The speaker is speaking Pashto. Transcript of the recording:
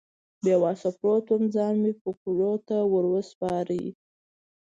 بې وسه پروت وم، ځان مې فکرونو ته ور وسپاره.